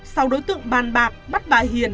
sau đối tượng bàn bạc bắt bà hiền